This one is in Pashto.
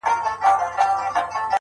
o زموږه دوو زړونه دي تل په خندا ونڅيږي،